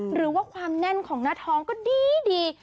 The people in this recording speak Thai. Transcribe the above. หรือว่าความแน่นของหน้าท้องก็ดี